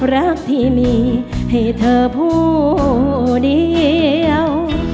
รักที่มีให้เธอผู้เดียว